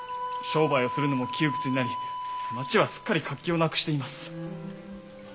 商売をするのも窮屈になり町はすっかり活気をなくしています。